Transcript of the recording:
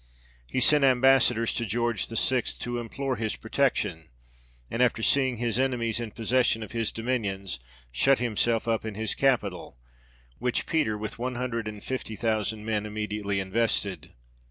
He sent Ambassadors to George VI. to implore his protection, and after seeing his enemies in possession of his domi nions, shut himself up in his capital ; which Peter, with one hundred and fifty thousand men, immediately invested.